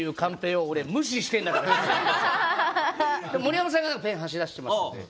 盛山さんがペン走らせてますんで。